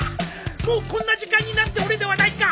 もうこんな時間になっておるではないか！